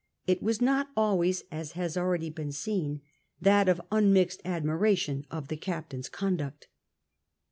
It was not always, as has already been seen, that of unmixed admiration of the captain's conduct.